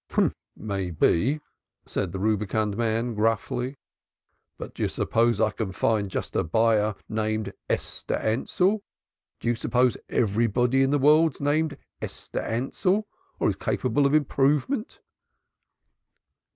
"Maybe," said the rubicund man gruffly. "But d'yer suppose I should just find a buyer named Esther Ansell?" Do you suppose everybody in the world's named Esther Ansell or is capable of improvement?"